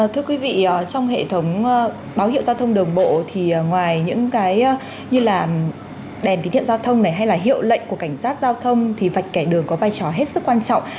thưa quý vị trong hệ thống báo hiệu giao thông đường bộ thì ngoài những cái như là đèn tín hiệu giao thông này hay là hiệu lệnh của cảnh sát giao thông thì vạch kẻ đường có vai trò hết sức quan trọng